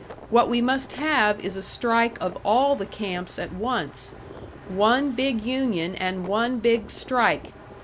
What we must have is a strike of all the camps at once. One big union and one big strike!